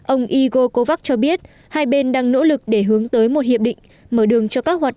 ông igor kovac cho biết hai bên đang nỗ lực để hướng tới một hiệp định mở đường cho các hoạt